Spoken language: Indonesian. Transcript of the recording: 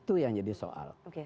itu yang jadi soal